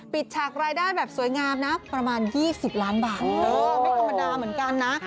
ฉากรายได้แบบสวยงามนะประมาณ๒๐ล้านบาทไม่ธรรมดาเหมือนกันนะ